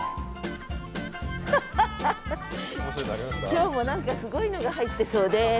今日も何かすごいのが入ってそうです。